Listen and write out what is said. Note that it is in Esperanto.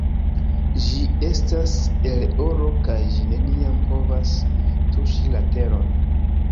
Ĝi estas el oro kaj ĝi neniam povas tuŝi la teron.